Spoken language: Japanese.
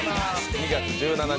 ２月１７日